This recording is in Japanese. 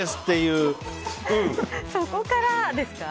そこからですか。